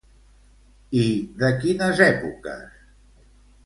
I de quines èpoques?